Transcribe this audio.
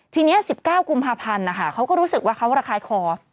ทีนี้๑๙กุมภาพันธ์นะคะเขาก็รู้สึกว่าเขาระคายคอ